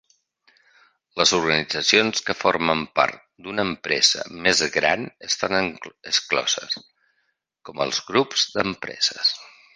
Les organitzacions que formen part d'una empresa més gran estan excloses, com els grups d'empreses.